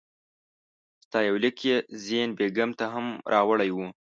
ستا یو لیک یې زین بېګم ته هم راوړی وو.